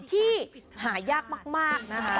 ที่หายากมาก